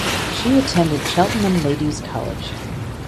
She attended Cheltenham Ladies’ College.